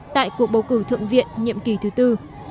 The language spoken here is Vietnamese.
tại cuộc bầu cử thượng viện nhiệm kỳ thứ tư